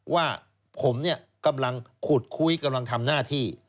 ว่าผมเนี่ยกำลังขุดคุยกำลังทำหน้าที่